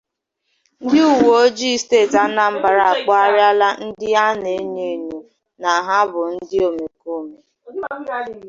ndị uwe ojii steeti Anambra akpụgharịala ndị a na-enyo ènyò na ha bụ ndị omekoome